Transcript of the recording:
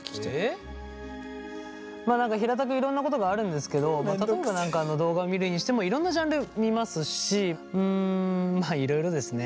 何か平たくいろんなことがあるんですけど例えば何か動画見るにしてもいろんなジャンル見ますしうんまあいろいろですね。